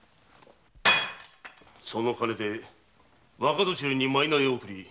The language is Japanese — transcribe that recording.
その金で若年寄にマイナイを贈り